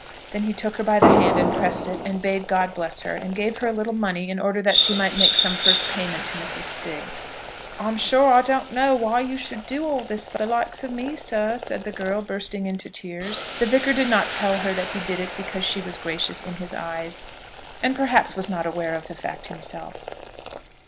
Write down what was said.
Then he took her by the hand, and pressed it, and bade God bless her, and gave her a little money in order that she might make some first payment to Mrs. Stiggs. "I'm sure I don't know why you should do all this for the likes of me, sir," said the girl, bursting into tears. The Vicar did not tell her that he did it because she was gracious in his eyes, and perhaps was not aware of the fact himself.